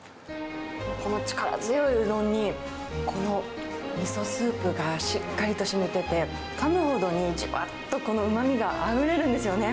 この力強いうどんに、このみそスープがしっかりと染みてて、かむほどにじわっとこのうまみがあふれるんですよね。